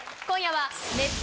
今夜は。